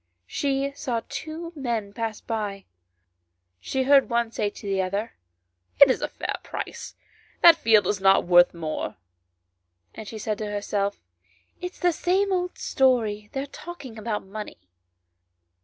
She saw two men pass by ; she heard one say to the other " It is a fair price ; that field is not worth more;" and she said to herself " It is the old story, they are talking of money."